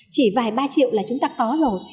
chỉ vài ba triệu là chúng ta có rồi